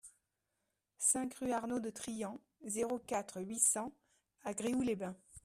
cinq rue Arnaud de Trian, zéro quatre, huit cents à Gréoux-les-Bains